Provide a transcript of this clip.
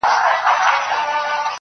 د مخ پر لمر باندي تياره د ښکلا مه غوړوه_